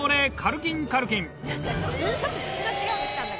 ちょっと質が違うのきたんだけど。